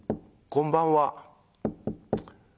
こんばんは！」。